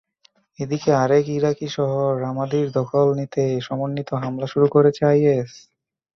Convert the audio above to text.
এদিকে আরেক ইরাকি শহর রামাদির দখল নিতে সমন্বিত হামলা শুরু করেছে আইএস।